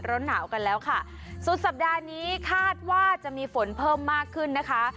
ร้อนหนาวกันแล้วค่ะสุดสัปดาห์นี้คาดว่าจะมีฝนเพิ่มมากขึ้นนะคะ